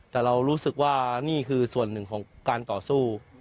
แต่เรารู้สึกว่านี่คือส่วนหนึ่งของการต่อสู้